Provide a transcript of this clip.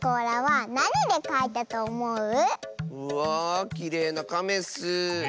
うわきれいなカメッス。